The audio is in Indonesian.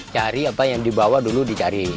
cari apa yang dibawa dulu dicari